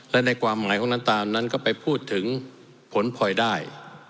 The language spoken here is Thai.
และในความหมายของน้ำตาลนั้นก็ไปพูดถึงผลพลอยได้